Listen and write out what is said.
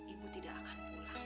ibu tidak akan pulang